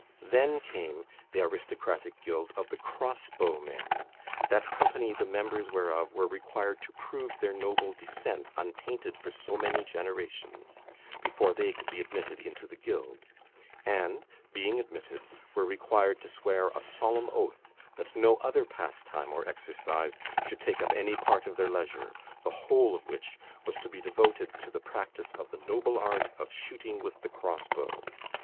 Then came the aristocratic guild of the cross bow men that company the members whereof were required to prove their noble descent untainted for so many generations, before they could be admitted into the guild; and, being admitted, were required to swear a solemn oath, that no other pastime or exercise should take up any part of their leisure, the whole of which was to be devoted to the practice of the noble art of shooting with the cross bow.